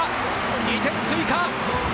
２点追加！